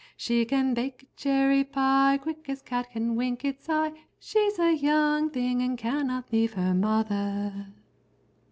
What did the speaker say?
She can bake a cherry pie quick as a cat can wink its eye, She's a young thing and can't leave her mother."